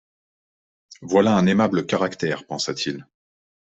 Voilà un aimable caractère, pensa-t-il.